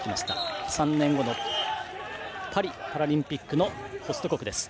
３年後のパリパラリンピックのホスト国です。